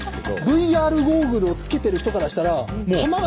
ＶＲゴーグルをつけてる人からしたら弾がね